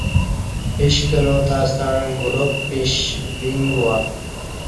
پیش کنا تاستݩع گلاب پیش ویݣ گوا